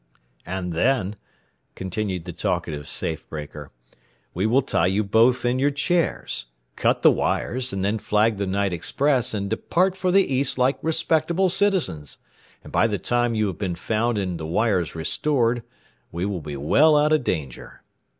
"And then," continued the talkative safe breaker, "we will tie you both in your chairs, cut the wires, then flag the night express, and depart for the East like respectable citizens, and by the time you have been found and the wires restored we will be well out of danger.